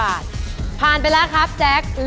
อุปกรณ์ทำสวนชนิดใดราคาถูกที่สุด